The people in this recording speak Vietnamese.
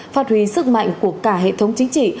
phát huy sức mạnh của cả hệ thống chính trị